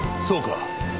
そうか。